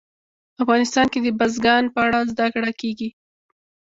افغانستان کې د بزګان په اړه زده کړه کېږي.